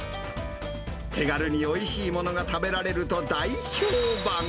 手軽においしいものが食べられると大評判。